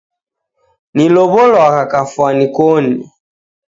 Nilow'olwagha kafwani koni.